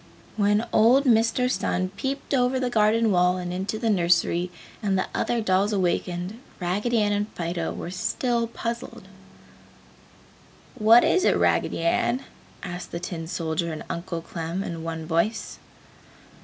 When old Mister Sun peeped over the garden wall and into the nursery, and the other dolls awakened, Raggedy Ann and Fido were still puzzled. "What is it, Raggedy Ann?" asked the tin soldier and Uncle Clem, in one voice.